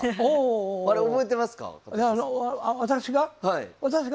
あれ覚えてますか？